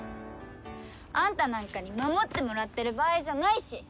あんたなんかに守ってもらってる場合じゃないし！